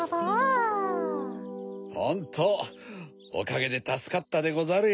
ホントおかげでたすかったでござるよ。